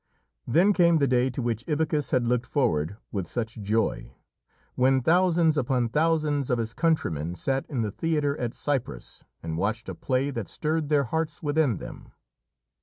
Then came the day to which Ibycus had looked forward with such joy, when thousands upon thousands of his countrymen sat in the theatre at Cyprus and watched a play that stirred their hearts within them.